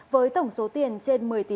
với tổng số tiền trên địa bàn huyện hương khê